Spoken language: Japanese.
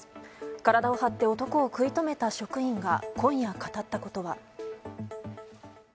体を張って男を食い止めた職員が今夜語ったことは。